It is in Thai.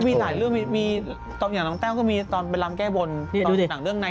มีหลายเรื่องเนี่ยตอนเราไปบางเรื่องนะ